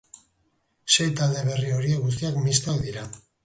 Sei talde berri horiek guztiak mistoak dira.